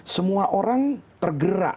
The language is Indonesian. semua orang tergerak